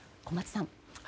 小松さん。